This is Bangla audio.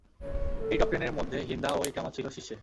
এই টপটেনের মধ্যে হিন্দা ও ইকরামা ছিল শীর্ষে।